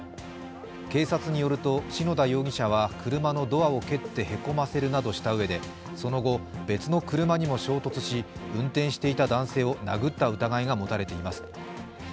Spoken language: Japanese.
警察によると、篠田容疑者は車のドアを蹴ってへこませるなどした上でその後、別の車にも衝突し、運転していた男性を殴った疑いが持たれています。